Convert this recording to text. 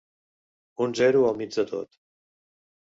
Un zero al mig de tot.